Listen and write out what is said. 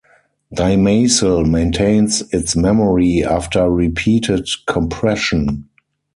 Dymacel maintains its memory after repeated compression.